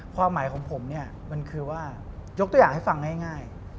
ความหมายของผมเนี่ยมันคือว่ายกตัวอย่างให้ฟังง่าย